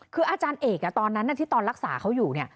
คืออาจารย์เอกตอนนั้นที่ตอนรักษาเขาอยู่